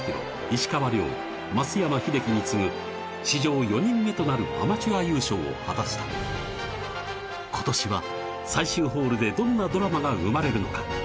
石川遼松山英樹に次ぐ史上４人目となるアマチュア優勝を果たした今年は最終ホールでどんなドラマが生まれるのか